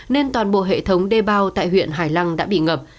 nên toàn bộ hệ thống đê bao tại huyện hải lăng đã bị ngập